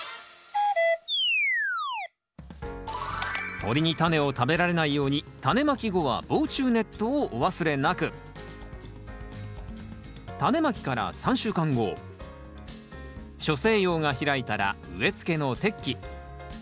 鳥にタネを食べられないようにタネまき後は防虫ネットをお忘れなく初生葉が開いたら植え付けの適期。